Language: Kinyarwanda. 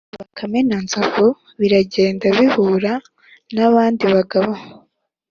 bakame na nzovu biragenda, bihura n’abandi bagaboo,